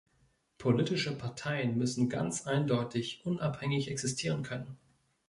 Politische Parteien müssen ganz eindeutig unabhängig existieren können.